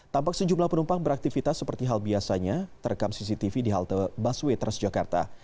tampak sejumlah penumpang beraktivitas seperti hal biasanya terekam cctv di halte busway transjakarta